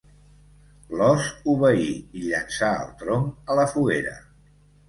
L'ós obeí i llençà el tronc a la foguera.